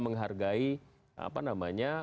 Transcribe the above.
menghargai kemampuan orang orang yang